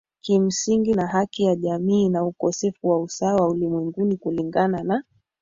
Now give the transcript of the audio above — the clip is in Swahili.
kimsingi na haki ya jamii na ukosefu wa usawa ulimwenguni Kulingana na